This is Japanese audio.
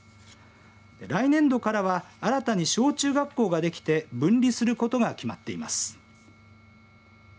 来年度からは新たに小中学校ができて分離することが決まっています。